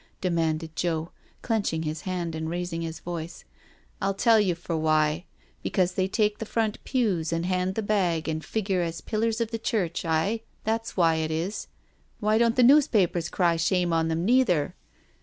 *' demanded Joe, clench ing his hand and raising his voice. '* I'll tell you for why— because they take the front pews and hand the bag and figure as pillars of the church, aye, that's why it is. Why don't the newspapers cry shame on them neither?